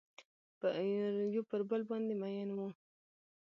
یو پر بل باندې میین وه